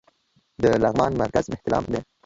د لغمان مرکز مهترلام دى